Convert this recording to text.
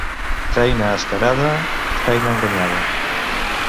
Feina a escarada, feina enganyada.